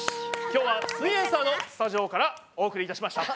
きょうは「すイエんサー」のスタジオからお送りいたしました。